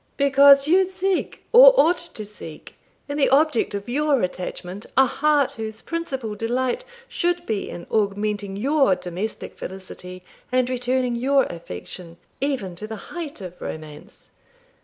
'Because you seek, or ought to seek, in the object of your attachment a heart whose principal delight should be in augmenting your domestic felicity and returning your affection, even to the height of romance.